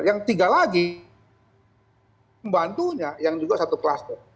yang tiga lagi pembantunya yang juga satu kluster